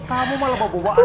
kamu malah bawa buah andin